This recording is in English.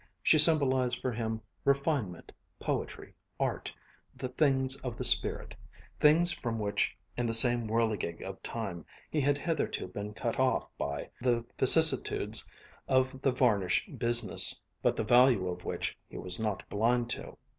She symbolized for him refinement, poetry, art, the things of the spirit things from which in the same whirligig of time he had hitherto been cut off by the vicissitudes of the varnish business; but the value of which he was not blind to.